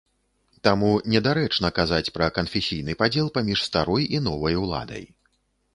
Таму недарэчна казаць пра канфесійны падзел паміж старой і новай уладай.